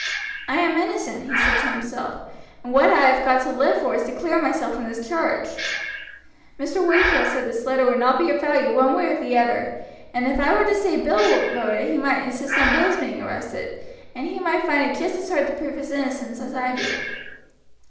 "I am innocent," he said to himself, "and what I have got to live for is to clear myself from this charge. Mr. Wakefield said this letter would not be of value one way or the other, and if I were to say Bill wrote it he might insist upon Bill's being arrested, and he might find it just as hard to prove his innocence as I do."